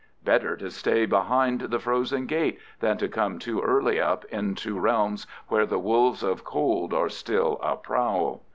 Better to stay behind the frozen gate than to come too early up into realms where the wolves of cold are still aprowl.